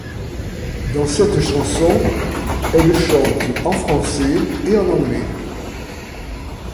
Dans cette chanson, elle chante en français et en anglais.